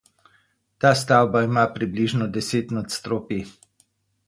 Ta stavba ima približno deset nadstropij.